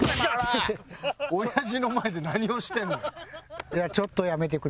親父の前で何をしてんねん。